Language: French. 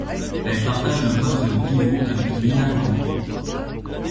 Elle partage le poste de pivot avec Nina Kanto.